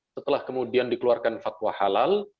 setelah kemudian dikeluarkan fatwa halal